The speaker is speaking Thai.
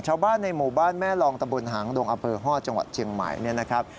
ชาวบ้านในหมู่บ้านแม่รองตะบลหางดงอเบอร์ฮอดจังหวัดเจียงใหม่นะครับ